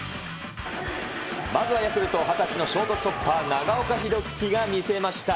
まずはヤクルト、２０歳のショートストッパー、長岡秀樹が見せました。